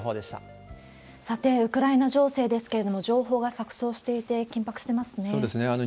さて、ウクライナ情勢ですけれども、情報が錯綜していて、緊迫してますね。